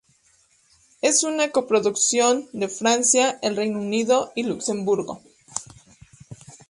Es una coproducción de Francia, el Reino Unido y Luxemburgo.